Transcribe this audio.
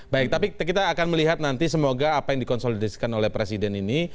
baik tapi kita akan melihat nanti semoga apa yang dikonsolidasikan oleh presiden ini